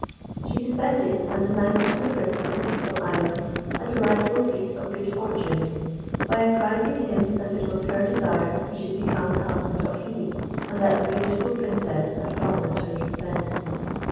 She descended, and announced to the Prince of the Peaceful Island a delightful piece of good fortune, by apprising him that it was her desire he should become the husband of Hebe, and that that beautiful Princess had promised her consent.